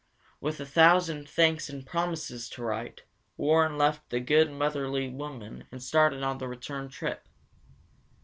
With a thousand thanks and promises to write, Warren left the good, motherly woman and started on the return trip.